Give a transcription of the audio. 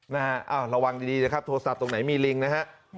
ระวังดีนะครับโทรศัพท์ตรงไหนมีลิงนะครับ